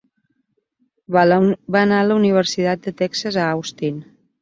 Va anar a la Universitat de Texas a Austin.